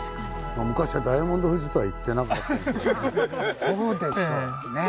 昔は「ダイヤモンド富士」とは言ってなかったでしょうね。